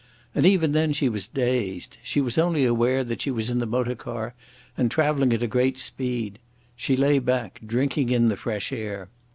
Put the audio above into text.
And even then she was dazed. She was only aware that she was in the motor car and travelling at a great speed. She lay back, drinking in the fresh air.